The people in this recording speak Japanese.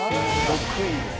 ６位です。